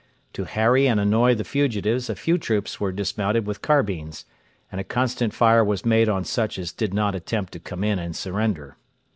To harry and annoy the fugitives a few troops were dismounted with carbines, and a constant fire was made on such as did not attempt to come in and surrender.